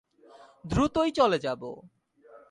দ্রুতই চলে যাবো।